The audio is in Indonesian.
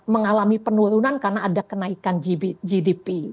mengalami penurunan karena ada kenaikan gdp